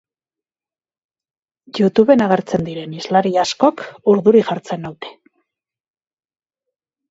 YouTuben agertzen diren hizlari askok urduri jartzen naute.